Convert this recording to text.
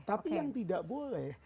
tapi yang tidak boleh